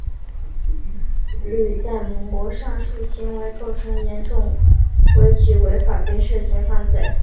吕在模上述行为构成严重违纪违法并涉嫌犯罪。